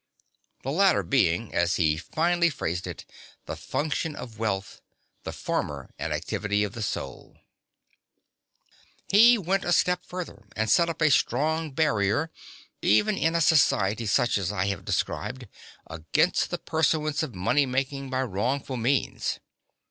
The latter being, as he finely phrased it, the function of wealth, the former an activity of the soul. (1) See Plut. "Lycurg." 10 (Clough, i. 96). He went a step further, and set up a strong barrier (even in a society such as I have described) against the pursuance of money making by wrongful means.